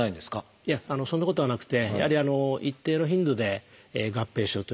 いやそんなことはなくてやはり一定の頻度で合併症というのは起こります。